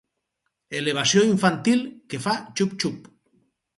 Elevació infantil que fa xup xup.